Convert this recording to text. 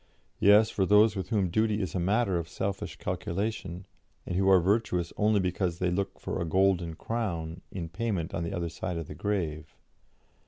Yes, for those with whom duty is a matter of selfish calculation, and who are virtuous only because they look for a 'golden crown' in payment on the other side the grave.